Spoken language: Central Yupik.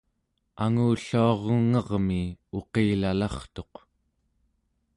angulluarungermi uqilalartuq